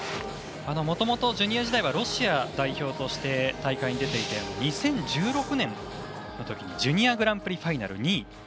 もともとジュニア時代はロシア代表として大会に出ていて２０１６年のジュニアグランプリファイナル２位。